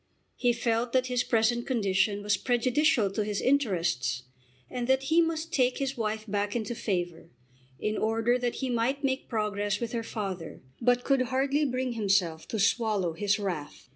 He felt that his present condition was prejudicial to his interests, and that he must take his wife back into favour, in order that he might make progress with her father, but could hardly bring himself to swallow his wrath.